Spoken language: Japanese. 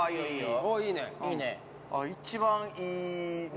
おっいいね！